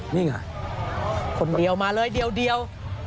นี่ไงคนเดียวมาเลยเดียว